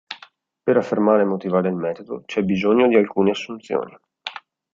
Per affermare e motivare il metodo, c'è bisogno di alcune assunzioni.